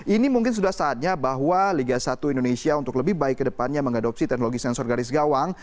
ini mungkin sudah saatnya bahwa liga satu indonesia untuk lebih baik ke depannya mengadopsi teknologi sensor garis gawang